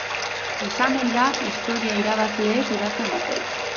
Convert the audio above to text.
Esan ohi da historia irabazleek idazten dutela.